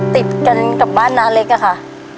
ติดกันกับบ้านน้าเล็กอะค่ะ